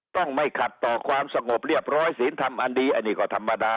ต้องไม่ขัดต่อความสงบเรียบร้อยศีลธรรมอันดีอันนี้ก็ธรรมดา